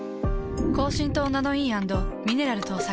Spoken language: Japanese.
高浸透ナノイー＆ミネラル搭載。